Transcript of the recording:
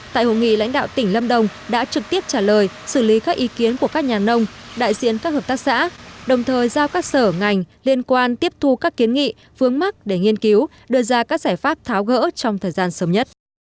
tại hội nghị lãnh đạo tỉnh lâm đồng đã trực tiếp trả lời xử lý các ý kiến của các nhà nông đại diện các hợp tác xã đồng thời giao các sở ngành liên quan tiếp thu các kiến nghị phương mắc để nghiên cứu đưa ra các giải pháp tháo gỡ trong thời gian sớm nhất